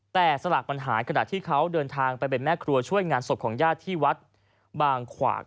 แต่สลากปัญหาขณะที่เขาเดินทางไปเป็นแม่ครัวช่วยงานศพของญาติที่วัดบางขวาก